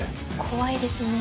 「怖いですね」